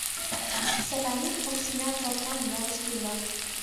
Сапанин Оксина Торкан ялыште ила.